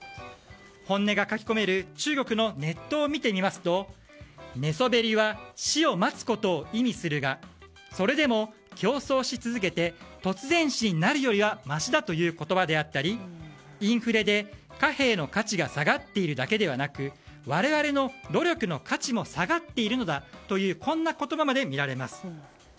本音が書き込める中国のネットを見てみますと寝そべりは死を待つことを意味するがそれでも、競争し続けて突然死になるよりはましだという言葉であったりインフレで貨幣の価値が下がっているだけではなく我々の努力の価値も下がっているのだというこんな言葉まで見られます。